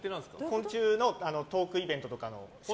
昆虫のトークイベントとか。